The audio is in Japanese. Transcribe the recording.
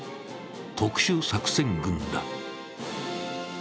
特殊作戦群だ。